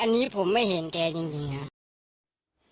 อันนี้ผมไม่เห็นแกจริงครับ